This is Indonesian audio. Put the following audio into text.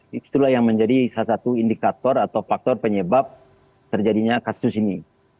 itulah yang menjadi salah satu indikator atau faktor penyebab terjadinya kasus ini